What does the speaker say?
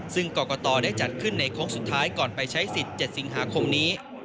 ซึ่งกรกตได้จัดขึ้นในโค้งสุดท้ายก่อนไปใช้สิทธิ์๗สิงหาคมนี้